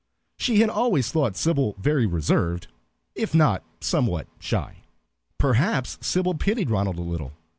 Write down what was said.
She had always thought Sybil very reserved, if not somewhat shy. Perhaps Sybil pitied Ronald a little.